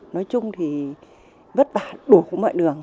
nói chung thì vất vả đủ mọi đường